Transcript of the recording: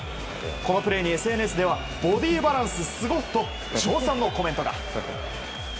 このプレーにＳＮＳではボディーバランスすご！と賞賛のコメントが。